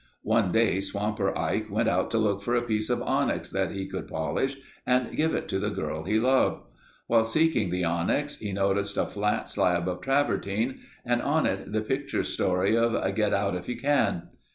One day Swamper Ike went out to look for a piece of onyx that he could polish and give to the girl he loved. While seeking the onyx he noticed a flat slab of travertine and on it the picture story of "Get out if you can."